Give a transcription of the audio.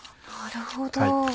なるほど。